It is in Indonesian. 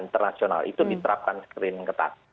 internasional itu diterapkan screening ketat